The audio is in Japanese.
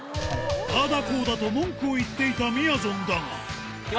ああだ、こうだと文句を言っていたみやぞんだが。